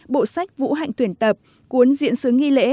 bộ sách vũ hạnh tuyển tập cuốn diện sứ nghi lễ